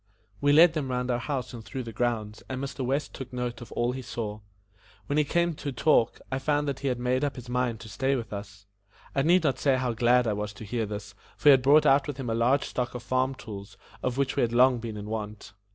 We led them round our house and through the grounds and Mr. West took note of all he saw. When we came to talk, I found that he had made up his mind to stay with us. I need not say how glad I was to hear this, for he had brought out with him a large stock of farm tools, of which we had long been in want.